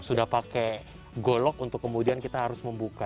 sudah pakai golok untuk kemudian kita harus membuka